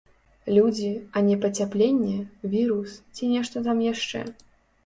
Людзі, а не пацяпленне, вірус ці нешта там яшчэ.